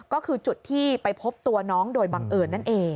ก็คือจุดที่ไปพบตัวน้องโดยบังเอิญนั่นเอง